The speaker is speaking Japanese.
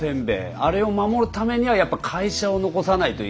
あれを守るためにはやっぱ会社を残さないといけないって。